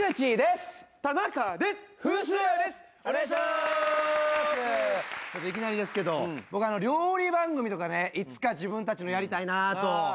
いきなりですけど僕料理番組とかねいつか自分たちのやりたいなと。